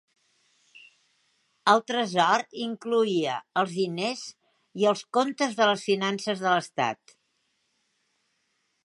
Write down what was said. El tresor incloïa els diners i els comptes de las finances de l"Estat.